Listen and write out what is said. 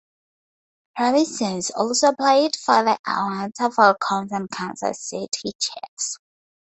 Robinson also played for the Atlanta Falcons and Kansas City Chiefs.